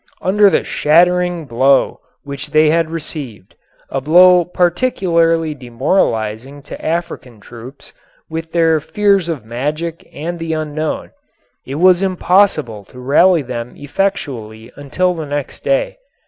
Under the shattering blow which they had received, a blow particularly demoralizing to African troops, with their fears of magic and the unknown, it was impossible to rally them effectually until the next day.